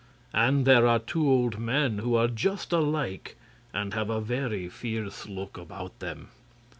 And there are two old men who are just alike and have a very fierce look about them.